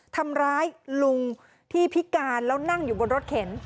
ทำร้ายลุงที่พิการแล้วนั่งอยู่บนรถเข็น